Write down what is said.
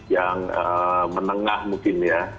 yang menengah mungkin ya